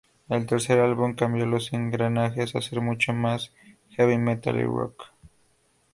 El tercer álbum cambió los engranajes a ser mucho más heavy metal y rock.